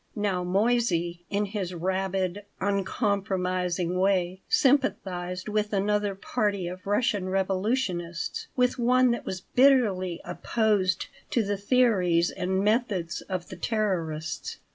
Now, Moissey, in his rabid, uncompromising way, sympathized with another party of Russian revolutionists, with one that was bitterly opposed to the theories and methods of the terrorists.